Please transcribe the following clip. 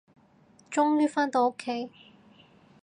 終於，返到屋企